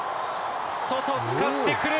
外使ってくる。